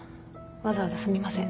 わざわざすみません。